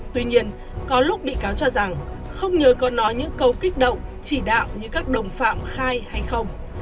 tuy nhiên có lúc bị cáo cho rằng không nhớ còn nói những câu kích động chỉ đạo như các đồng phạm khai hay khai